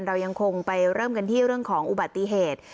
เรายังคงไปเริ่มกันที่เรื่องของอุบัติเหตุ